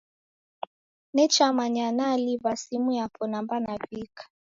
Nechamanya naliw'a simu yapo namba navika